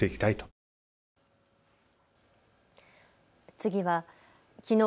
次はきのう